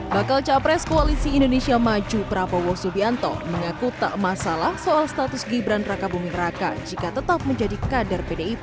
bakal capres koalisi indonesia maju prabowo subianto mengaku tak masalah soal status gibran raka buming raka jika tetap menjadi kader pdip